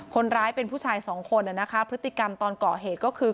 คนร้ายเป็นผู้ชายสองคนนะคะพฤติกรรมตอนก่อเหตุก็คือ